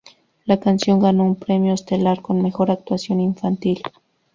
La canción ganó un Premio Stellar por Mejor actuación infantil.